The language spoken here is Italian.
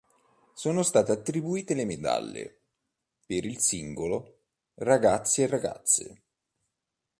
Sono state attribuite le medaglie per il singolo ragazzi e ragazze.